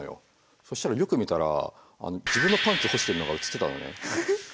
そしたらよく見たら自分のパンツ干してるのが写ってたのね。